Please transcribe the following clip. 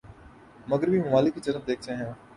مغربی ممالک کی طرف دیکھتے ہیں